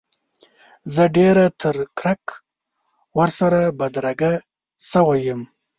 زه ډېره تر کرک ورسره بدرګه شوی یم.